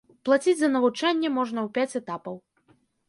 Плаціць за навучанне можна ў пяць этапаў.